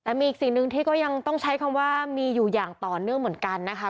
แต่มีอีกสิ่งหนึ่งที่ก็ยังต้องใช้คำว่ามีอยู่อย่างต่อเนื่องเหมือนกันนะคะ